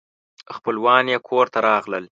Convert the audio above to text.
خپلوان یې کور ته راغلل.